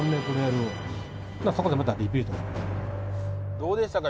どうでしたか？